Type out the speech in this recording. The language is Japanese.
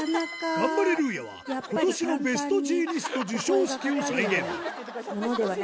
ガンバレルーヤは、ことしのベストジーニスト授賞式を再現。